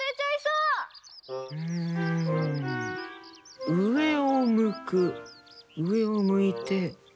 うえをむくうえをむいて。